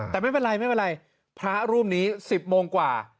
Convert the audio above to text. แต่ไม่เป็นไรพระรุ่นนี้๑๐โมงกว่า